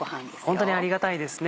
ホントにありがたいですね